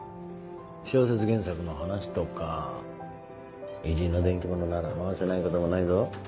小説原作の話とか偉人の伝記物なら回せないこともないぞ？